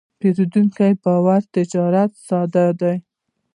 د پیرودونکي باور د تجارت ساه ده.